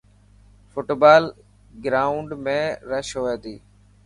فٽبال گروائنڊ ۾ رش هئي تي.